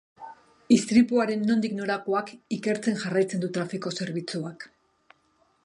Istripuaren nondik norakoak ikertzen jarraitzen du trafiko zerbitzuak.